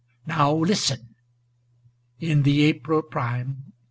Now listen : ŌĆö In the April prime.